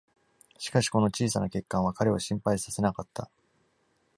しかしこの小さな欠陥は彼を心配させなかった。